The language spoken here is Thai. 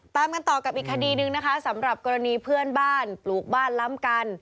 ตามกันต่อกับอีกคดีหนึ่งนะคะสำหรับกรณีเพื่อนบ้านปลูกบ้านล้ำกัน